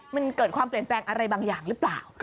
มันเกิดความเปลี่ยนแปลงอะไรบางอย่างหรือเปล่า